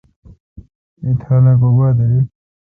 می تھال اؘ کو گوا دیرل۔